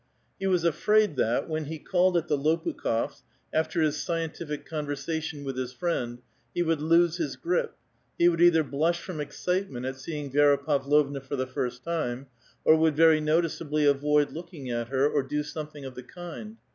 lie was afraid that, when he called at the Lopukh6fs', after his seientilic conversation with his friend, he would *' lose his grip";^ ho would either blush from excitement at seeing Vi6ra Pavlovna for the first time, or would very noticeably avoid looking at her, or do something of the kind.